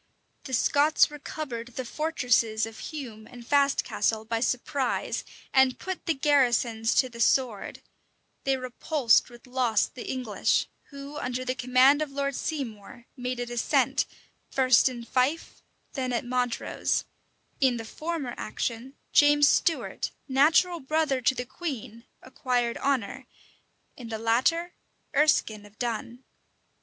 The Scots recovered the fortresses of Hume and Fastcastle by surprise, and put the garrisons to the sword: they repulsed with loss the English, who, under the command of Lord Seymour, made a descent, first in Fife, then at Montrose: in the former action, James Stuart, natural brother to the queen, acquired honor; in the latter, Ereskine of Dun.